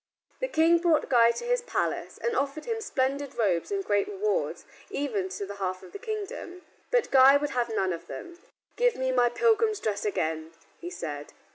The King brought Guy to his palace and offered him splendid robes and great rewards, even to the half of the kingdom. But Guy would have none of them. "Give me my pilgrim's dress again," he said.